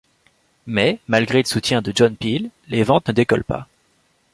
Mais, malgré le soutien de John Peel, les ventes ne décollent pas.